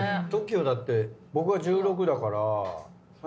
ＴＯＫＩＯだって僕は１６だから。